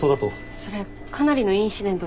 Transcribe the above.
それかなりのインシデントじゃない。